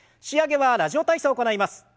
仕上げは「ラジオ体操」を行います。